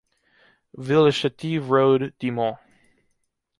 Villechétive road, Dixmont